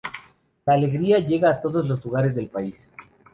La alegría llega a todos los lugares del país.